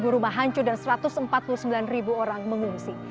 enam puluh tujuh rumah hancur dan satu ratus empat puluh sembilan orang mengungsi